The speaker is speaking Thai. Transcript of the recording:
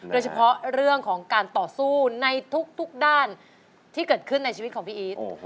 โดยเฉพาะเรื่องของการต่อสู้ในทุกด้านที่เกิดขึ้นในชีวิตของพี่อีท